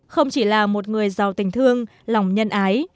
không chỉ là một người giàu tình thương lòng nhân ái